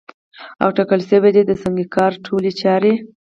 او ټاکل سوې ده چي د سنګکارۍ ټولي چاري